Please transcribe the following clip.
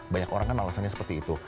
banyak orang kan alasannya seperti itu